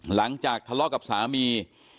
หลังจากทะเลาะกับสามี